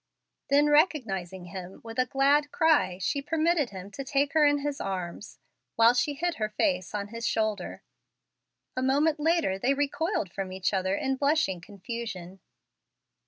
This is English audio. Then recognizing him, with a glad cry, she permitted him to take her in his arms, while she hid her face on his shoulder. A moment later they recoiled from each other in blushing confusion.